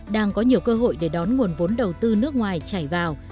đang có nhiều cơ hội để đón nguồn vốn đầu tư nước ngoài chảy vào